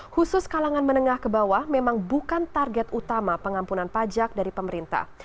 khusus kalangan menengah ke bawah memang bukan target utama pengampunan pajak dari pemerintah